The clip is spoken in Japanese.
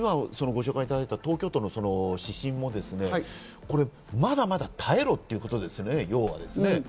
東京都の指針もまだまだ耐えろということですね、要は。